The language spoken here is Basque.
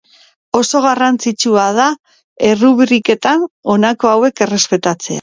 Oso garrantzitsua da errubriketan honako hauek errespetatzea.